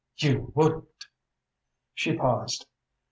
"You wouldn't " She paused.